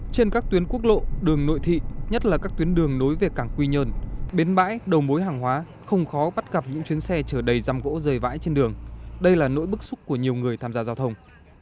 trên các tuyến quốc lộ đường nội thị nhất là các tuyến đường nối về cảng quy nhơn bến bãi đầu mối hàng hóa không khó bắt gặp những chuyến xe chở đầy giam gỗ rời vãi trên đường đây là nỗi bức xúc của nhiều người tham gia giao thông